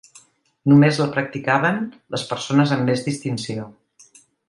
Només la practicaven les persones amb més distinció.